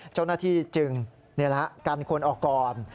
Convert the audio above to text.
เจ้าหน้าที่จึงกันคนออกก่อน